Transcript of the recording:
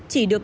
hàn quốc á